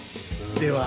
では。